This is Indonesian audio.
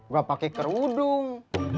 gue pake kerudung